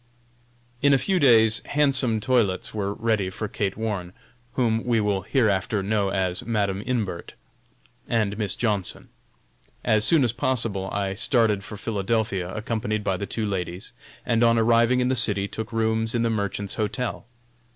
In a few days handsome toilets were ready for Kate Warne whom we will hereafter know as Madam Imbert and Miss Johnson. As soon as possible I started for Philadelphia accompanied by the two ladies, and on arriving in the city took rooms in the Merchants' Hotel.